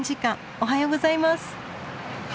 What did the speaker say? おはようございます。